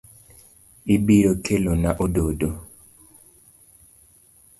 Ibiro Kelona ododo.